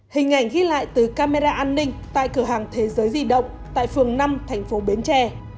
hình ảnh ghi lại từ camera an ninh tại cửa hàng thế giới di động tại phường năm thành phố bến tre